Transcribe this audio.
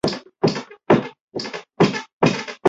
详细请参考本州四国联络桥公团。